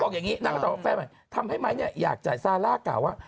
อย่างนี้นางก็ตอบว่าแฟนใหม่ทำให้ไม้เนี่ยอยากจ่ายซาร่ากล่าวว่า